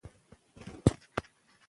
د ښځو ګډون ټولنیز عدالت ته وده ورکوي.